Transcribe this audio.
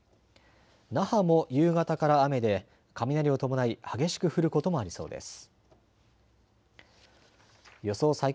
那覇も夕方から雨で雷を伴い激しく降ることもありそうです。